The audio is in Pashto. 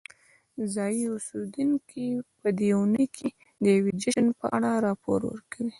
ځایی اوسیدونکي په دې اونۍ کې د یوې جشن په اړه راپور ورکوي.